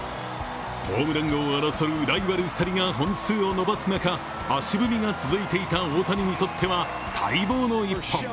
ホームラン王を争うライバル２人が本数を伸ばす中、足踏みが続いていた大谷にとっては待望の一本。